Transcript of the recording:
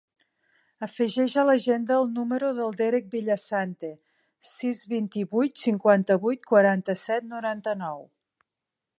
Afegeix a l'agenda el número del Derek Villasante: sis, vint-i-vuit, cinquanta-vuit, quaranta-set, noranta-nou.